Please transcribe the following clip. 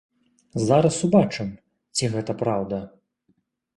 Зараз убачым, ці гэта праўда.